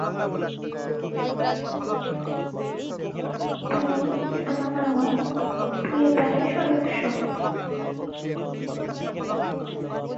তিনি "চেতনা" নামক থিয়েটার-এর সদস্য।